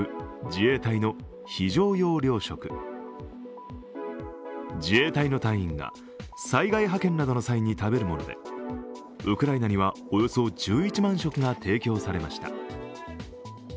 自衛隊の隊員が災害派遣などの際に食べるものでウクライナには、およそ１１万食が提供されました。